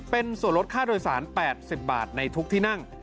เป็นส่วนลดค่าโดยสาร๘๐บาทในทุกที่นั่ง